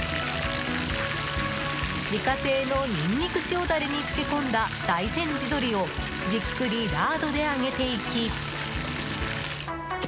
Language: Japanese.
自家製のニンニク塩ダレに漬け込んだ大山地鶏をじっくりラードで揚げていき。